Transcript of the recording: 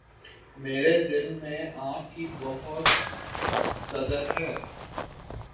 میرے دل میں آپ کی بہت قدر ہے۔